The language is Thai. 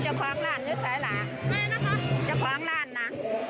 เจ้าคว้างร่านอยู่ใส่หรอจ้าคว้างร่านน่ะ